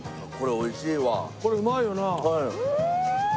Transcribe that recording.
おいしい！